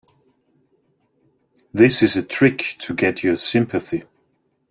This is a trick to get your sympathy.